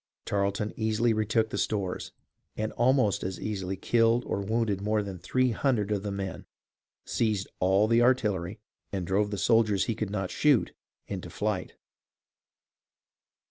Tarleton easily retook the stores, and almost as easily killed or wounded more than three hundred of the men, seized all the artillery, and drove the soldiers he could not shoot into flight.